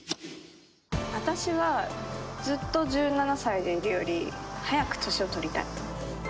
私はずっと１７歳でいるより早く年をとりたい。